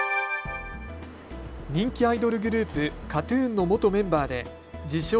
人気アイドルグループ、ＫＡＴーＴＵＮの元メンバーで自称